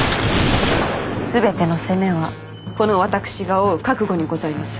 全ての責めはこの私が負う覚悟にございます。